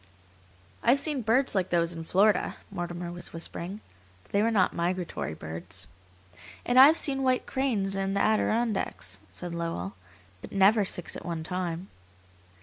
"I have seen birds like those in Florida," Mortimer was whispering, "but they were not migratory birds." "And I've seen white cranes in the Adirondacks," said Lowell, "but never six at one time."